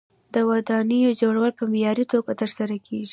د ودانیو جوړول په معیاري توګه ترسره کیږي.